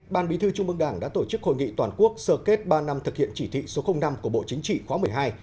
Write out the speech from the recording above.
ban bí thư trung mương đảng đã tổ chức hội nghị toàn quốc sơ kết ba năm thực hiện chỉ thị số năm của bộ chính trị khóa một mươi hai